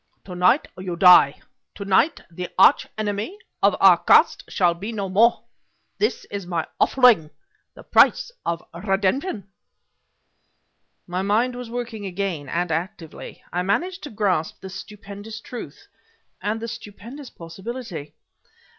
To night, you die! To night, the arch enemy of our caste shall be no more. This is my offering the price of redemption..." My mind was working again, and actively. I managed to grasp the stupendous truth and the stupendous possibility. Dr.